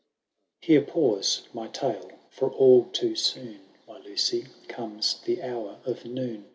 Here pause, my tale ; for all too soon, M J Lucy, comes the hour of noon.